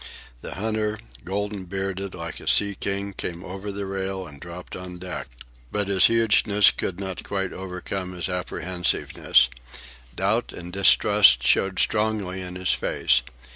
The hunter, golden bearded like a sea king, came over the rail and dropped on deck. But his hugeness could not quite overcome his apprehensiveness. Doubt and distrust showed strongly in his face.